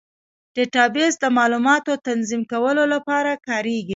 ډیټابیس د معلوماتو تنظیم کولو لپاره کارېږي.